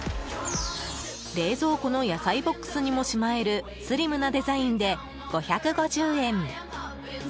冷蔵庫の野菜ボックスにもしまえるスリムなデザインで、５５０円。